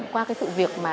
qua sự việc